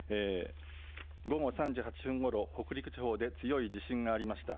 午後３時８分ごろ北陸地方で強い地震がありました。